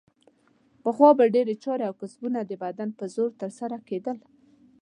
پخوا به ډېرې چارې او کسبونه د بدن په زور ترسره کیدل.